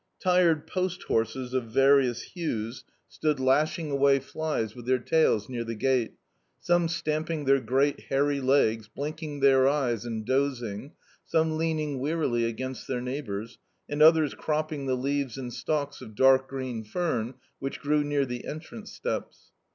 Tired post horses of various hues stood lashing away flies with their tails near the gate some stamping their great hairy legs, blinking their eyes, and dozing, some leaning wearily against their neighbours, and others cropping the leaves and stalks of dark green fern which grew near the entrance steps.